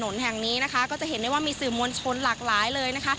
ถนนแห่งนี้นะคะก็จะเห็นได้ว่ามีสื่อมวลชนหลากหลายเลยนะคะ